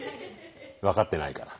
分かってないから。